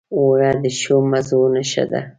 اوړه د ښو مزو نښه ده